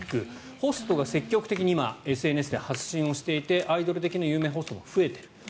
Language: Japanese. ホストが今積極的にＳＮＳで発信をしていてアイドル的な有名ホストが増えている。